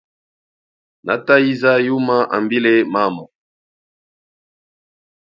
Nataiza yuma ambile mama.